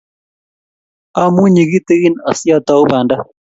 amunyii kitikin asiotou banda